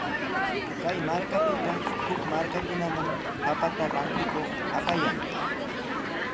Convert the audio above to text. Kay markapita huk markakunaman papata rantikuq apayan.